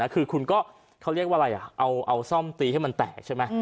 คือคุณก็เขาเรียกว่าอะไรเอาซ่อมตีให้มันแตกใช่ไหม